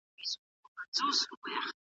ویده ملتونه وروسته پاتې دي.